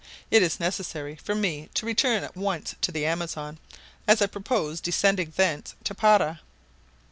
It is necessary for me to return at once to the Amazon as I purpose descending thence to Para."